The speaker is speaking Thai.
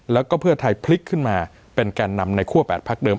แล้วก็เพื่อไทยพลิกขึ้นมาเป็นแก่นำในคั่ว๘พักเดิม